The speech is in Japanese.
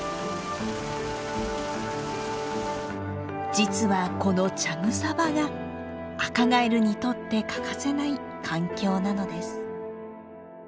実はこの茶草場がアカガエルにとって欠かせない環境なのです。